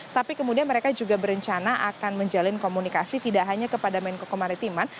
tapi kemudian mereka juga berencana akan menjalin komunikasi tidak hanya kepada menko kemaritiman